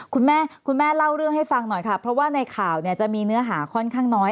คุณแม่คุณแม่เล่าเรื่องให้ฟังหน่อยค่ะเพราะว่าในข่าวเนี่ยจะมีเนื้อหาค่อนข้างน้อย